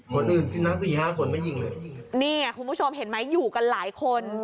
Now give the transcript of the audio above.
คนอื่นที่นักสี่ห้าคนไม่ยิงเลยนี่ไงคุณผู้ชมเห็นไหมอยู่กันหลายคน